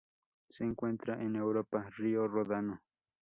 Se encuentra en Europa: río Ródano.